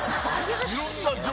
いろんな情報が。